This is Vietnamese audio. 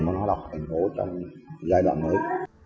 và đọc thành phố trong giai đoạn mới